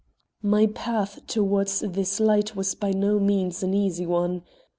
My path toward this light was by no means an easy one.